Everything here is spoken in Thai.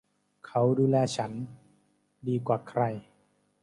เขาดูแลฉันดีกว่าใคร